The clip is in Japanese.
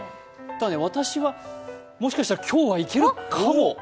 私はもしかしたら今日はいけるかも。